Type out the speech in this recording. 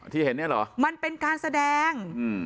ที่เห็นเนี่ยเหรอมันเป็นการแสดง